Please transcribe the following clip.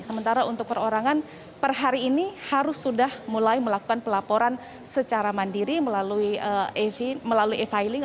sementara untuk perorangan per hari ini harus sudah mulai melakukan pelaporan secara mandiri melalui e filing